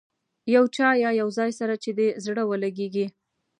یو چا یا یو ځای سره چې دې زړه ولګېږي.